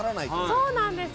そうなんです。